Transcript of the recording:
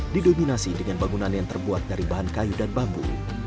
didominasi dengan bangunan yang terbuat dari bahan kayu dan bambu